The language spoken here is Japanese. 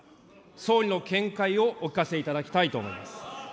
総理の見解をお聞かせいただきたいと思います。